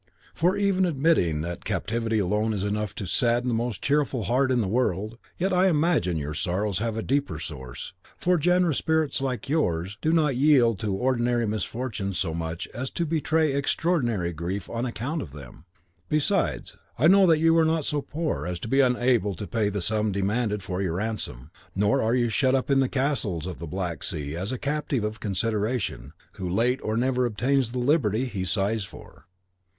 For even, admitting that captivity alone is enough to sadden the most cheerful heart in the world, yet I imagine that your sorrows have a deeper source; for generous spirits like yours do not yield to ordinary misfortunes so much as to betray extraordinary grief on account of them. Besides, I know that you are not so poor as to be unable to pay the sum demanded for your ransom; nor are you shut up in the castles of the Black Sea as a captive of consideration, who late or never obtains the liberty he sighs for.